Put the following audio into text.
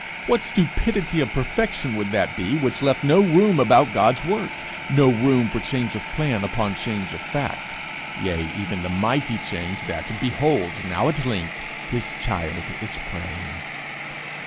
What stupidity of perfection would that be which left no margin about God's work, no room for change of plan upon change of fact yea, even the mighty change that, behold now at length, his child is praying!